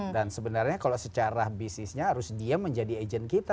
dan sebenarnya kalau secara bisnisnya harus dia menjadi agent kita